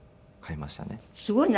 すごいね。